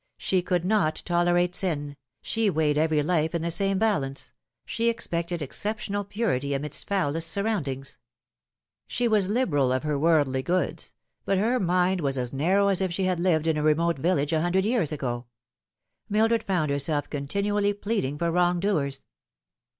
She could not tolerate sin, she weighed every life in the same balance, she expected exceptional purity amidst foulest surroundings. She was liberal of her worldly goods ; but her mind was as narrow as if she had lived in a remote village a hundred years ago. Mildred found herself con tinually pleading for wrong doers.